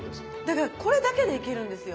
だけどこれだけでいけるんですよ。